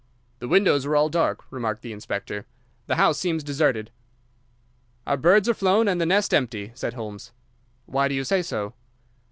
"The windows are all dark," remarked the inspector. "The house seems deserted." "Our birds are flown and the nest empty," said Holmes. "Why do you say so?"